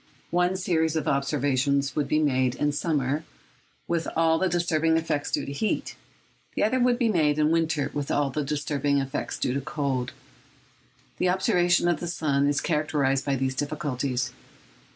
One series of observations would be made in summer, with all the disturbing effects due to heat; the other would be made in winter, with all the disturbing effects due to cold. The observation of the sun is characterised by all these difficulties.